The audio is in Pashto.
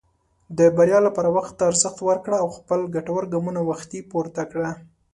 د بریا لپاره وخت ته ارزښت ورکړه، او خپل ګټور ګامونه وختي پورته کړه.